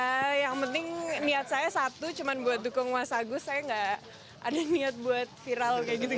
ya yang penting niat saya satu cuma buat dukung mas agus saya nggak ada niat buat viral kayak gitu